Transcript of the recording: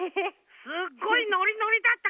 すっごいノリノリだったけど。